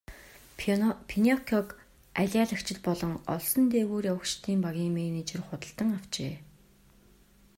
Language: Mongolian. Пиноккиог алиалагчид болон олсон дээгүүр явагчдын багийн менежер худалдан авчээ.